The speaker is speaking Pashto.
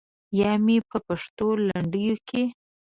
یا مې په پښتو لنډیو کې.